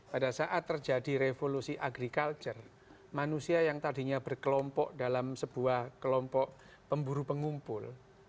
pada saat terjadi revolusi agriculture manusia yang tadinya berkelompok dalam sebuah kelompok pemburu pengumpul